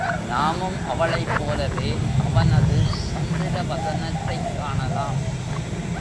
நாமும் அவளைப் போலவே அவனது சந்திரவதனத்தைக் காணலாம்.